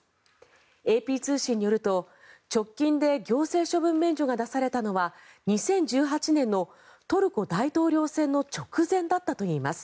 ＡＰ通信によると、直近で行政処分免除が出されたのは２０１８年のトルコ大統領選の直前だったといいます。